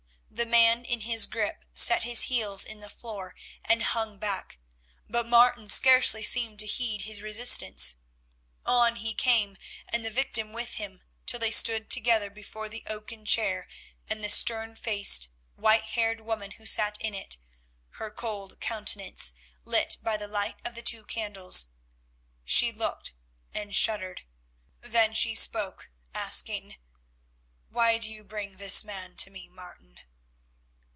The man in his grip set his heels in the floor and hung back, but Martin scarcely seemed to heed his resistance. On he came, and the victim with him, till they stood together before the oaken chair and the stern faced, white haired woman who sat in it, her cold countenance lit by the light of the two candles. She looked and shuddered. Then she spoke, asking: "Why do you bring this man to me, Martin?"